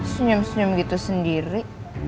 senyum senyum gitu sendiri